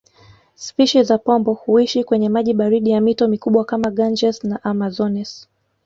Spishi za Pomboo huishi kwenye maji baridi ya mito mikubwa kama Ganges na Amazones